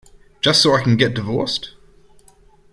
Just so I can get divorced?